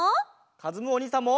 かずむおにいさんも！